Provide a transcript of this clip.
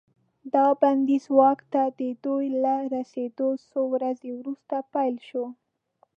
دا بندیز واک ته د دوی له رسیدو څو ورځې وروسته پلی شو.